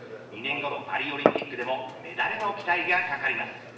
２年後のパリオリンピックでもメダルの期待が懸かります。